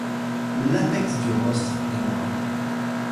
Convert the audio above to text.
L'apex du rostre est noir.